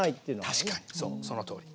確かにそうそのとおり。